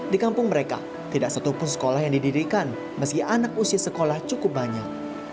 di kampung mereka tidak satupun sekolah yang didirikan meski anak usia sekolah cukup banyak